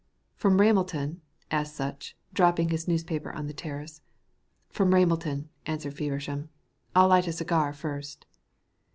"From Ramelton?" asked Sutch, dropping his newspaper on to the terrace. "From Ramelton," answered Feversham. "I'll light a cigar first."